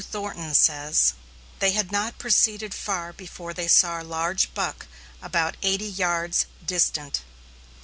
Q. Thornton says: They had not proceeded far before they saw a large buck about eighty yards distant.